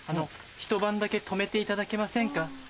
ひと晩だけ泊めていただけませんか？